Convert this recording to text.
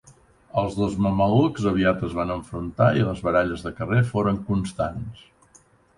Els dos mamelucs aviat es van enfrontar i les baralles de carrer foren constants.